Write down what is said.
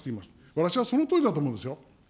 私はそのとおりだと思うんですよ。